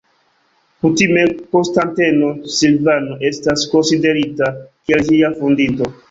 Kutime Konstanteno Silvano estas konsiderita kiel ĝia fondinto.